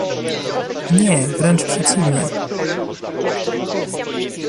Nie, wręcz przeciwnie!